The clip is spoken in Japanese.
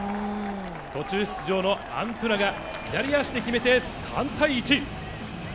途中出場のアントゥナが左足で決めて３対１。